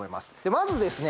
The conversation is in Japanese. まずですね